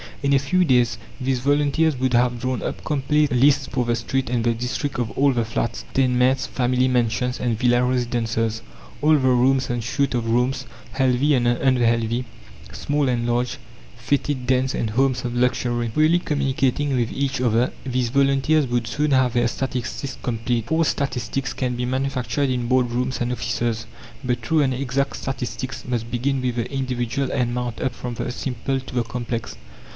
In a few days these volunteers would have drawn up complete lists for the street and the district of all the flats, tenements, family mansions and villa residences, all the rooms and suites of rooms, healthy and unhealthy, small and large, foetid dens and homes of luxury. Freely communicating with each other, these volunteers would soon have their statistics complete. False statistics can be manufactured in board rooms and offices, but true and exact statistics must begin with the individual and mount up from the simple to the complex.